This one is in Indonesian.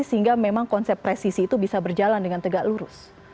sehingga memang konsep presisi itu bisa berjalan dengan tegak lurus